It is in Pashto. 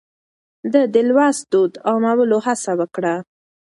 ده د لوست دود عامولو هڅه وکړه.